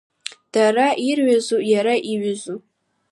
Дара ирҩызу, иара иҩызу?